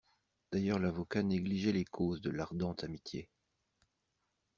D'ailleurs l'avocat négligeait les causes de l'Ardente Amitié.